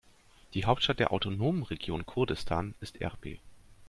Die Hauptstadt der autonomen Region Kurdistan ist Erbil.